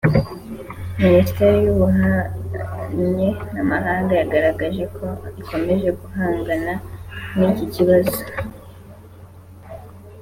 Minisiteri y’Ububanyi n’Amahanga yagaragaje ko ikomeje guhangana n’iki kibazo